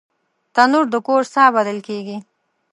تنور د کور ساه بلل کېږي